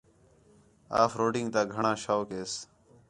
آف روڈنگ تا گھݨاں شوق ہِس